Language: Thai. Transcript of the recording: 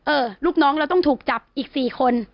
ลูกน้องเราต้องถูกจับอีก๔คน